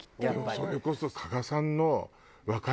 それこそ加賀さんの。